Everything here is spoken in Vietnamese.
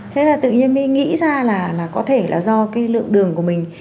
thế là tự nhiên mới nghĩ ra là có thể là do cái lượng đường của mình